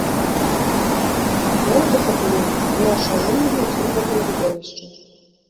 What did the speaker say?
Я ў захапленні, я ашаломлены ўсім гэтым відовішчам.